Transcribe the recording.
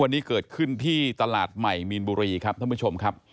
วันนี้เกิดขึ้นที่ตลาดใหม่มีนบุรีครับท่านผู้ชมครับ